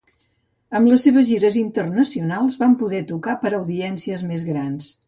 Amb les seves gires internacionals, van poder tocar per audiències més grans.